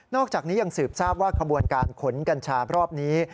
อกจากนี้ยังสืบทราบว่าขบวนการขนกัญชารอบนี้